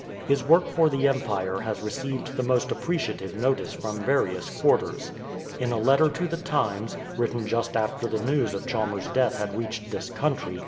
His work for the Empire has received the most appreciative notice from various quarters. In a letter to the Times, written just after the news of Chalmers' death had reached this country.